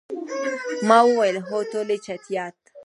ما وویل، هو، ټولې چټیات.